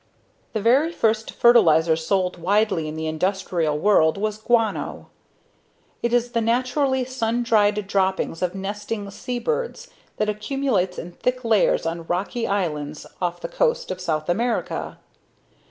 The very first fertilizer sold widely in the industrial world was guano. It is the naturally sun dried droppings of nesting sea birds that accumulates in thick layers on rocky islands off the coast of South America.